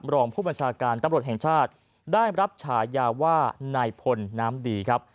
รองผู้บัญชาการตำรวจแห่งชาติได้รับฉายาว่านายพลน้ำดีครับ